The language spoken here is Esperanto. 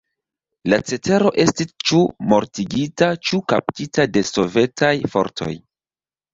La cetero estis ĉu mortigita ĉu kaptita de sovetaj fortoj.